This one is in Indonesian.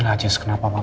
buktinya apa pa